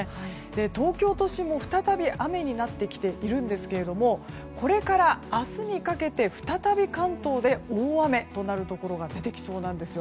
東京都心も再び雨になってきているんですけれどもこれから明日にかけて再び関東で大雨となるところが出てきそうなんですよ。